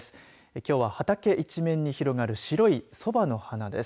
きょうは畑一面に広がる白いそばの花です。